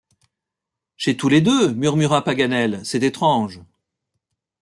Chez tous les deux! murmura Paganel, c’est étrange !